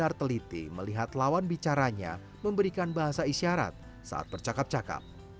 dan mereka teliti melihat lawan bicaranya memberikan bahasa isyarat saat bercakap cakap